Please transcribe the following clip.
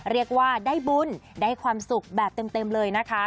เรียกว่าได้บุญได้ความสุขแบบเต็มเลยนะคะ